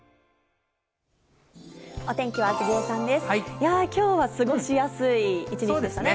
いやー、きょうは過ごしやすい一日でしたね。